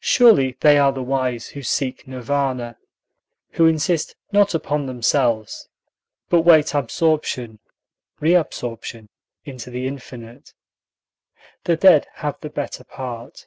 Surely they are the wise who seek Nirvana; who insist not upon themselves, but wait absorption reabsorption into the infinite. The dead have the better part.